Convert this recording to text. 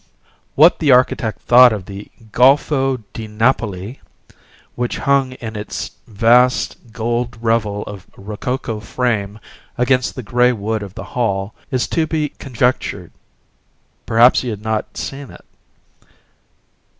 What the architect thought of the "Golfo di Napoli," which hung in its vast gold revel of rococo frame against the gray wood of the hall, is to be conjectured perhaps he had not seen it.